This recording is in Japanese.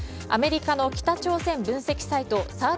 アメリカの北朝鮮分析サイト３８